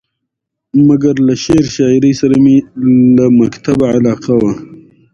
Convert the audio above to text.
مګر له شعر شاعرۍ سره مې له مکتبه علاقه وه.